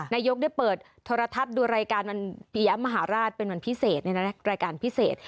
นายกได้เปิดโทรทัศน์ดูรายการวันปียะมหาราชเป็นวันพิเศษรายการพิเศษ